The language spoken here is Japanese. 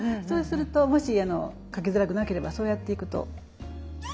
そうするともし描きづらくなければそうやっていくと。